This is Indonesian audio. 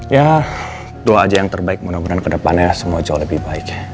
ya doa aja yang terbaik mudah mudahan kedepannya semua jauh lebih baik